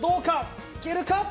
いけるか？